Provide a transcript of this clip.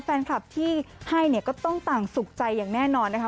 แฟนคลับที่ให้เนี่ยก็ต้องต่างสุขใจอย่างแน่นอนนะคะ